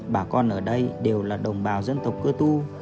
bà con ở đây đều là đồng bào dân tộc cơ tu